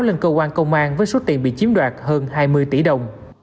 bà trần thảo đã đặt báo lên cơ quan công an với số tiền bị chiếm đoạt hơn hai mươi tỷ đồng